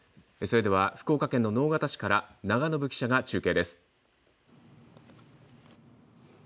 それでは福岡県の直方市から長延記者が中継です。